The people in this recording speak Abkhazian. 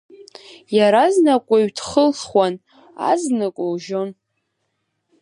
Иаразнак уаҩ дхылхуан, азнык улжьон.